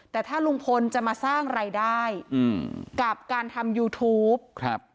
แต่ถ้าลุงพลจะมาสร้างรายได้อืมกับการทำยูทูปครับ